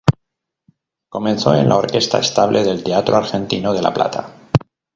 Comenzó en la Orquesta Estable del Teatro Argentino de La Plata.